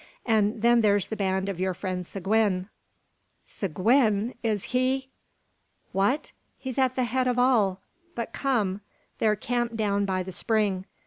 And then there's the band of your friend Seguin " "Seguin! Is he " "What? He's at the head of all. But come! they're camped down by the spring.